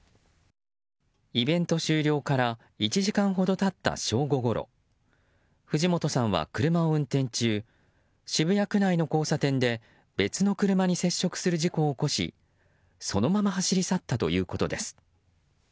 イベント終了から１時間ほど経った正午ごろ藤本さんは車を運転中渋谷区内の交差点で別の車に接触する事故を起こしそのまま走り去ったということです。